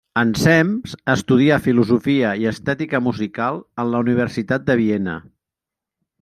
Ensems estudià filosofia i estètica musical en la Universitat de Viena.